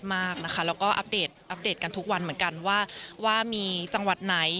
อยู่มากแล้วก็อัพเดตเอากันทุกวันเหมือนกันว่าว่ามีจังหวัดไหน